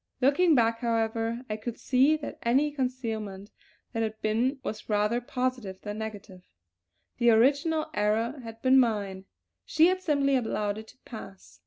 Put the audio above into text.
Looking back, however, I could see that any concealment that had been was rather positive than negative. The original error had been mine; she had simply allowed it to pass.